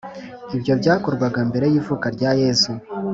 Ibyo bwakorwaga mbere y’ivuka rya Yezu